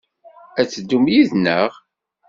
Ad teddum yid-neɣ?